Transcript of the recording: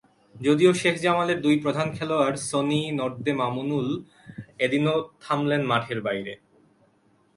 যদিও শেখ জামালের দুই প্রধান খেলোয়াড় সনি নর্দে-মামুনুল এদিনও থামলেন মাঠের বাইরে।